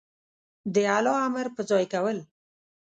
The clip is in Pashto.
د الله امر په ځای کول